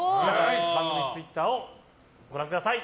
番組ツイッターをご覧ください。